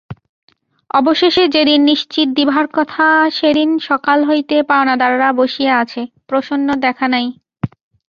অবশেষে যেদিন নিশ্চিত দিবার কথা সেদিন সকাল হইতে পাওনাদাররা বসিয়া অছে, প্রসন্নর দেখা নাই।